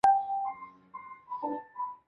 一个常用的设计话语社区的工具是地图。